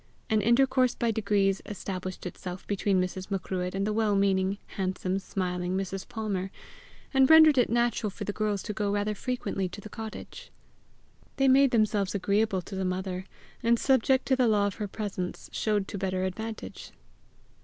An intercourse by degrees established itself between Mrs. Macruadh and the well meaning, handsome, smiling Mrs. Palmer, and rendered it natural for the girls to go rather frequently to the cottage. They made themselves agreeable to the mother, and subject to the law of her presence showed to better advantage.